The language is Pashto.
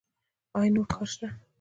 ایا نور کار نشته؟